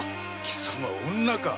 貴様女か？